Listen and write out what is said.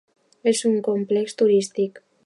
És un complex turístic.